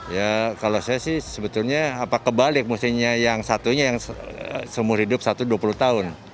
ya kalau saya sih sebetulnya kebalik musimnya yang satunya yang seumur hidup satu dua puluh tahun